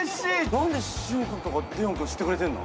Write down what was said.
何でシオン君とかデヨン君知ってくれてんの？